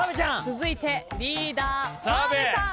続いてリーダー澤部さん。